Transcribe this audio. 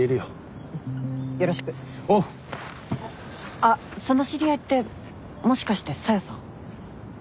あっその知り合いってもしかして小夜さん？